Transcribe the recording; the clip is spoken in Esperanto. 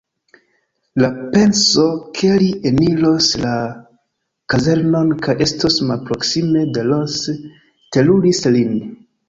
La penso, ke li eniros la kazernon kaj estos malproksime de Ros, teruris lin.